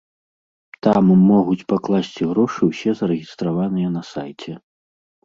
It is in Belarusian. Там могуць пакласці грошы ўсе зарэгістраваныя на сайце.